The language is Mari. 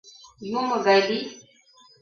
Юмо гай лий?!